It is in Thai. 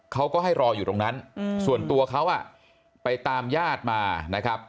เขาก็ให้รออยู่ตรงนั้นส่วนตัวเขาไปตามญาติมานะครับ